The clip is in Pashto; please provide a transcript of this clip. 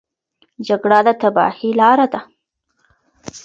جګړه د تباهۍ لاره ده.